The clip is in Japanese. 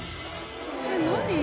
えっ何？